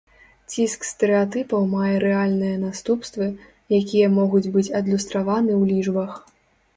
Ціск стэрэатыпаў мае рэальныя наступствы, якія могуць быць адлюстраваны ў лічбах.